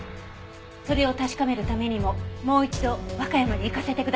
それを確かめるためにももう一度和歌山に行かせてください。